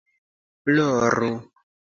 ploru